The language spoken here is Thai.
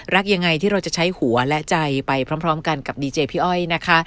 รักยังไงที่เราจะใช้หัวและใจไปพร้อมกันกับดีเจพี่อ้อยนะคะ